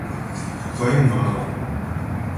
鬼五馬六